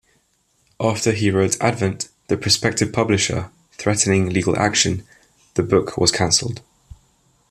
After he wrote Advent, the prospective publisher, threatening legal action, the book was cancelled.